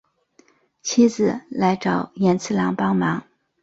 妻子来找寅次郎帮忙。